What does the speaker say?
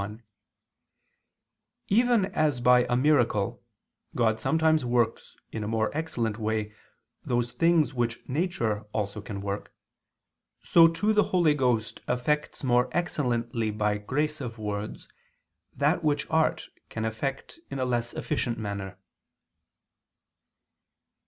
1: Even as by a miracle God sometimes works in a more excellent way those things which nature also can work, so too the Holy Ghost effects more excellently by the grace of words that which art can effect in a less efficient manner.